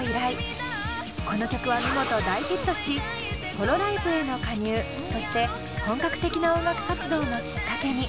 この曲は見事大ヒットしホロライブへの加入そして本格的な音楽活動のきっかけに。